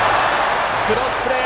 クロスプレー！